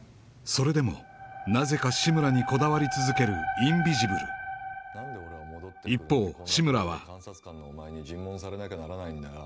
それでもなぜか志村にこだわり続けるインビジブル一方志村は監察官のお前に尋問されなきゃならないんだよ